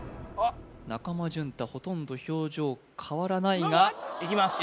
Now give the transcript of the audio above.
中間淳太ほとんど表情変わらないがいきます